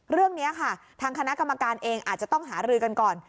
เรื่องนี้ค่ะทางคณะกรรมการเองอาจจะต้องหารือกันก่อน